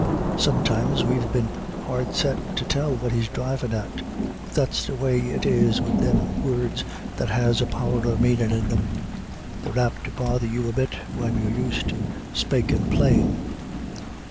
Sometimes we've been hardset to tell what he's drivin' at. But that's the way it is wid thim words that has a power of manin' in thim. They're apt to bother you a bit when you're used to spakin plain."